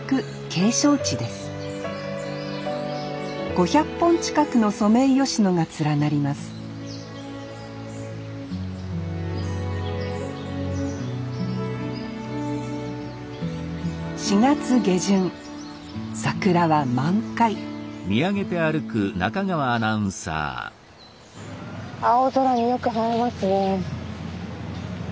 ５００本近くのソメイヨシノが連なります４月下旬桜は満開青空によく映えますね。